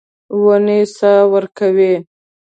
ونې سا ورکوي.